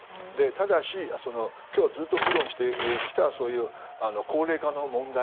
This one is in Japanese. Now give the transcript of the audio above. ただし、今日ずっと議論してきたそういう高齢化の問題